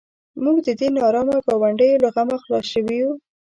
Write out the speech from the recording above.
موږ د دې نارامه ګاونډیو له غمه خلاص شوو.